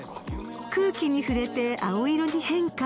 ［空気に触れて青色に変化］